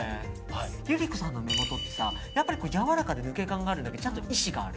ゆり子さんの目元ってやわらかで抜け感があるんだけどちゃんと意思がある。